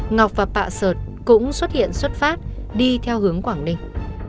ngọc và pạ sợt cũng xuất hiện xuất phát đi theo hướng quảng ninh